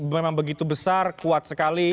memang begitu besar kuat sekali